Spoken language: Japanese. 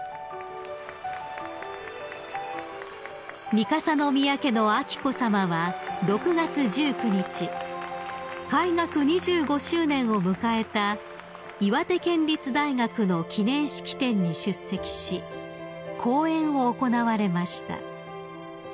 ［三笠宮家の彬子さまは６月１９日開学２５周年を迎えた岩手県立大学の記念式典に出席し講演を行われました］